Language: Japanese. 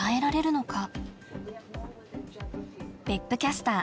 別府キャスター